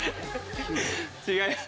違います。